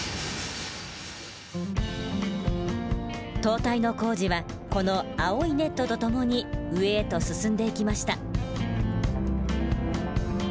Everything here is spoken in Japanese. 塔体の工事はこの青いネットと共に上へと進んでいきました。